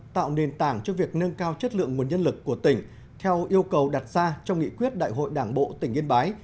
tạo nền tảng cho việc nâng cao chất lượng nguồn nhân lực của tỉnh theo yêu cầu đặt ra trong nghị quyết đại hội đảng bộ tỉnh yên bái